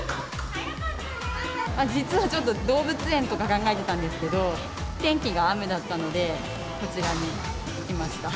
実はちょっと、動物園とか考えてたんですけど、天気が雨だったので、こちらに来ました。